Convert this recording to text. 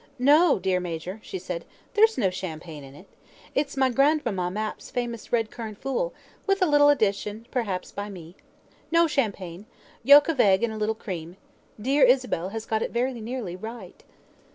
"No, dear Major," she said. "There's no champagne in it. It's my Grandmamma Mapp's famous red currant fool, with little additions perhaps by me. No champagne: yolk of egg and a little cream. Dear Isabel has got it very nearly right."